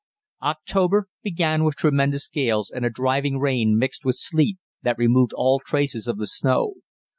October began with tremendous gales and a driving rain mixed with sleet, that removed all traces of the snow.